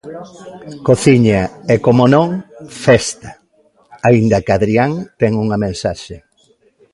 Cociña e como non, festa, aínda que Adrián ten unha mensaxe...